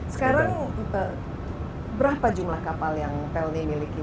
sekarang berapa jumlah kapal yang pelni miliki